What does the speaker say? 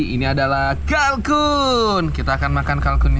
ini adalah kalkun kita akan makan kalkunnya